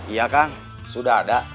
iya kang sudah ada